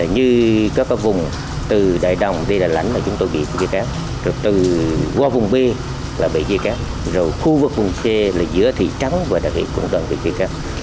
như các vùng từ đài đồng đến đài lãnh là chúng tôi bị chia cắt qua vùng b là bị chia cắt khu vực vùng c là giữa thị trắng và đặc biệt cũng đều bị chia cắt